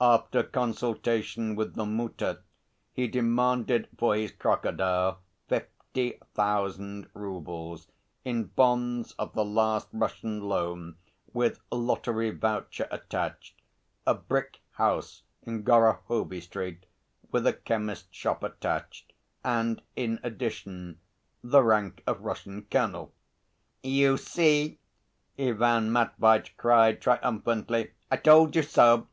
After consultation with the Mutter he demanded for his crocodile fifty thousand roubles in bonds of the last Russian loan with lottery voucher attached, a brick house in Gorohovy Street with a chemist's shop attached, and in addition the rank of Russian colonel. "You see!" Ivan Matveitch cried triumphantly. "I told you so!